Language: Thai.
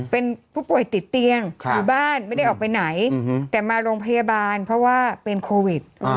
เป็นผู้ป่วยติดเตียงอยู่บ้านไม่ได้ออกไปไหนแต่มาโรงพยาบาลเพราะว่าเป็นโควิด